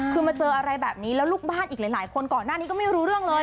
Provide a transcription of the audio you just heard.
คือมาเจออะไรแบบนี้แล้วลูกบ้านอีกหลายคนก่อนหน้านี้ก็ไม่รู้เรื่องเลย